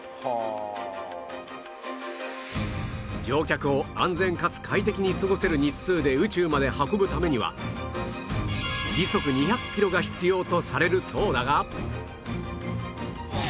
乗客を安全かつ快適に過ごせる日数で宇宙まで運ぶためには時速２００キロが必要とされるそうだが